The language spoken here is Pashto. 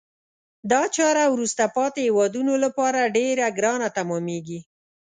دا چاره وروسته پاتې هېوادونه لپاره ډیره ګرانه تمامیږي.